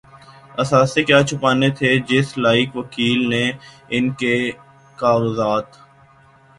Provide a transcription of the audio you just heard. اثاثے کیا چھپانے تھے‘ جس لائق وکیل نے ان کے کاغذات